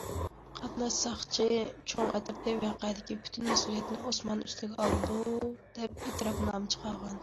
قاتناش ساقچى چوڭ ئەترىتى ۋەقەدىكى پۈتۈن مەسئۇلىيەتنى ئوسمان ئۈستىگە ئالىدۇ دەپ ئېتىراپنامە چىقارغان.